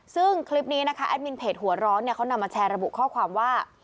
ซึ่งคลิปนี้นะคะแอดมินเพจหัวร้อนเขานำมาแชร์ระบุข้อความว่า